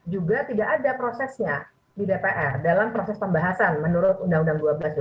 juga tidak ada prosesnya di dpr dalam proses pembahasan menurut undang undang dua belas dua ribu dua